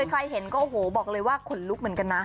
ใครเห็นก็โอ้โหบอกเลยว่าขนลุกเหมือนกันนะ